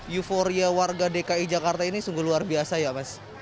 euforia warga dki jakarta ini sungguh luar biasa ya mas